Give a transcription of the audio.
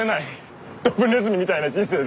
ドブネズミみたいな人生だ。